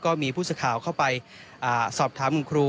ก็มีผู้สื่อข่าวเข้าไปสอบถามคุณครู